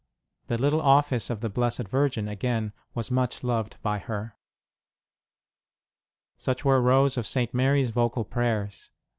The little Office of the Blessed Virgin, again, was much loved by her. Such were Rose of St. Mary s vocal prayers.